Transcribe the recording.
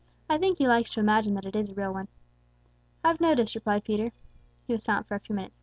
I think he likes to imagine that it is a real one." "I've noticed," replied Peter. He was silent for a few minutes.